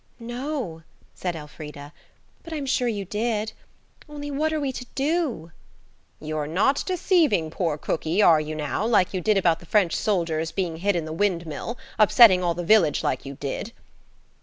"No," said Elfrida; "but I'm sure you did. Only what are we to do?" "You're not deceiving poor cookie, are you now, like you did about the French soldiers being hid in the windmill, upsetting all the village like you did?"